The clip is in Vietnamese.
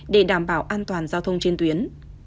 để đảm bảo an toàn giao thông trên tuyến